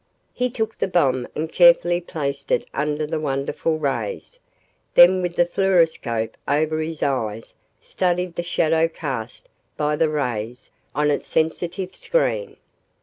He took the bomb and carefully placed it under the wonderful rays, then with the fluoroscope over his eyes studied the shadow cast by the rays on its sensitive screen.